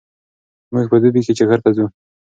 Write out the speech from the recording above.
موږ په دوبي کې چکر ته ځو.